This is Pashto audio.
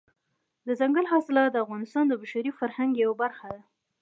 دځنګل حاصلات د افغانستان د بشري فرهنګ یوه برخه ده.